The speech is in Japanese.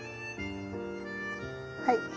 はい。